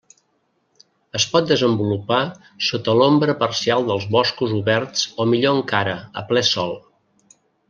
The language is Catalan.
Es pot desenvolupar sota l'ombra parcial dels boscos oberts o millor encara a ple sol.